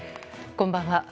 こんばんは。